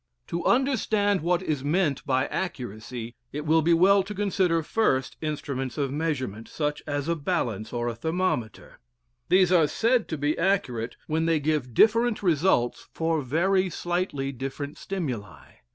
To understand what is meant by accuracy, it will be well to consider first instruments of measurement, such as a balance or a thermometer. These are said to be accurate when they give different results for very slightly different stimuli.